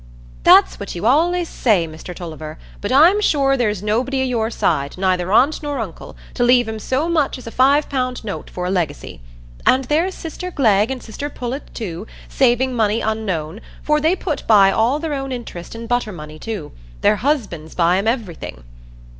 "That's what you allays say, Mr Tulliver; but I'm sure there's nobody o' your side, neither aunt nor uncle, to leave 'em so much as a five pound note for a leggicy. And there's sister Glegg, and sister Pullet too, saving money unknown, for they put by all their own interest and butter money too; their husbands buy 'em everything."